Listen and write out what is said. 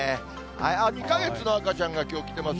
２か月の赤ちゃんがきょう来てます。